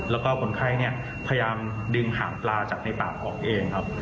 แล้วก็คนไข้พยายามดึงหางปลาจากในปากออกเองครับ